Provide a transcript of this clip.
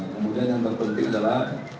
kemudian yang berpenting adalah